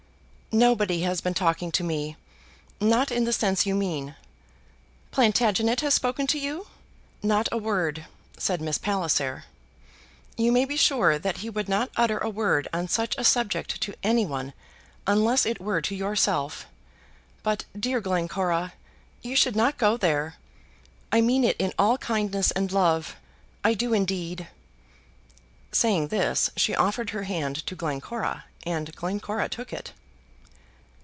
"Nobody has been talking to me; not in the sense you mean." "Plantagenet has spoken to you?" "Not a word," said Miss Palliser. "You may be sure that he would not utter a word on such a subject to anyone unless it were to yourself. But, dear Glencora, you should not go there; I mean it in all kindness and love, I do indeed." Saying this she offered her hand to Glencora, and Glencora took it.